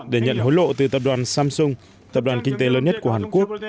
để nhận hối lộ từ tập đoàn samsung tập đoàn kinh tế lớn nhất của hàn quốc